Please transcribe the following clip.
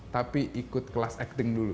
tapi ikut kelas acting dulu